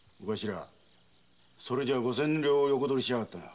それじゃ五千両横取りしやがったのは？